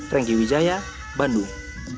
renggi wijaya bandung